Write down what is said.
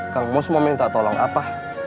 kamu semua minta tolong apa